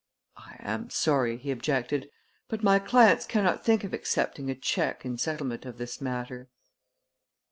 "I am sorry," he objected; "but my clients cannot think of accepting a check in settlement of this matter."